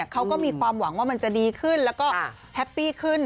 เขาก็มีความหวังว่ามันจะดีขึ้นแล้วก็แฮปปี้ขึ้น